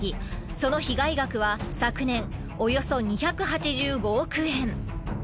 その被害額は昨年およそ２８５億円。